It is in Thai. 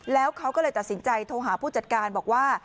แล้วเขาก็เลยตัดสินใจโทรหาผู้จัดการบอกว่า